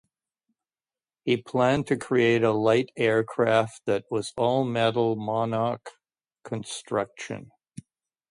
He planned to create a light aircraft that was all-metal monocoque construction.